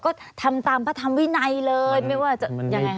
ก็ทำตามพระธรรมวินัยเลย